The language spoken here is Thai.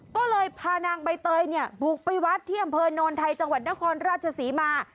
ก็เลยพานางใบเตยเนี่ยบุกไปวัดที่อำเภอโนนไทยจังหวัดนครราชศรีมา